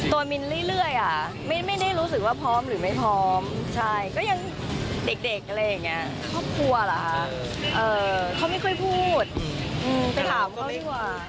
ตัวมินเรื่อยอ่ะไม่ได้รู้สึกว่าพร้อมหรือไม่พร้อมใช่ก็ยังเด็กอะไรอย่างนี้